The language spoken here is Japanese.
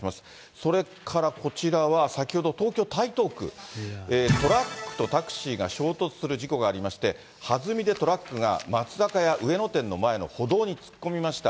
それからこちらは、先ほど東京・台東区、トラックとタクシーが衝突する事故がありまして、はずみでトラックが松坂屋上野店の前の歩道に突っ込みました。